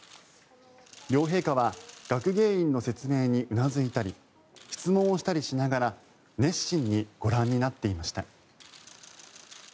両陛下は学芸員の説明にうなずいたり質問をしたりしながら熱心にご覧になっていました。